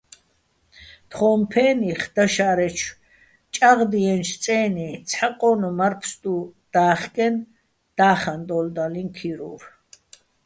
თხოჼ ფე́ნიხ დაშა́რეჩო̆ ჭაღდიენჩო̆ წე́ნი ცჰ̦ა ყო́ნუჼ მარფსტუ და́ხკენე́ და́ხაჼ დოლდალიჼ ქირუვ.